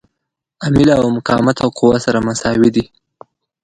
عامله او مقاومه قوه سره مساوي دي.